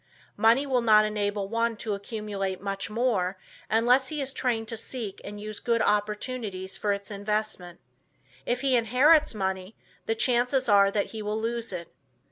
Money will not enable one to accumulate much more, unless he is trained to seek and use good opportunities for its investment. If he inherits money the chances are that he will lose it.